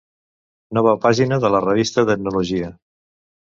Nova pàgina de la Revista d'Etnologia.